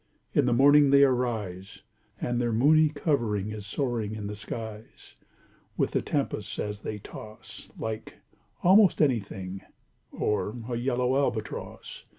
In the morning they arise, And their moony covering Is soaring in the skies, With the tempests as they toss, Like—almost any thing— Or a yellow Albatross.